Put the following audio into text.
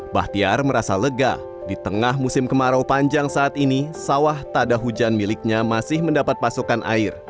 bahtiar merasa lega di tengah musim kemarau panjang saat ini sawah tada hujan miliknya masih mendapat pasokan air